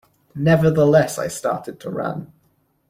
Nevertheless I started to run.